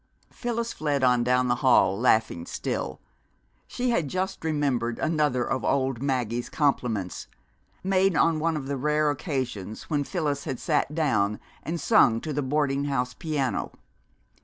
Phyllis fled on down the hall, laughing still. She had just remembered another of old Maggie's compliments, made on one of the rare occasions when Phyllis had sat down and sung to the boarding house piano.